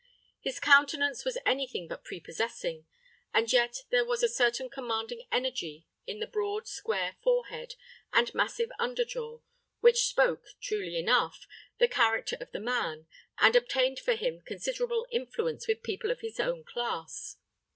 His countenance was any thing but prepossessing, and yet there was a certain commanding energy in the broad, square forehead and massive under jaw, which spoke, truly enough, the character of the man, and obtained for him considerable influence with people of his own class.